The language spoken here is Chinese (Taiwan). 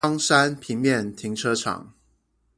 岡山平面停車場